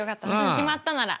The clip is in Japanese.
決まったなら。